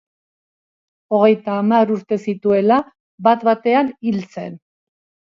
Hogeita hamar urte zituela, bat-batean hil zen.